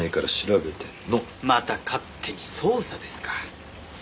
また勝手に捜査ですか。